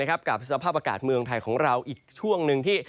กับสภาพอากาศเมืองไทยของเราอีกช่วงหนึ่งที่